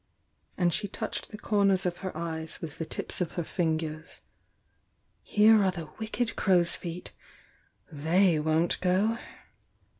— and she touched the comers of her eyes with the tips of her fingers — "here are the wicked crow's feet! — they won't go!